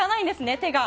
手が！